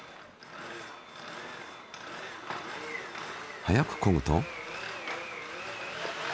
速くこぐと。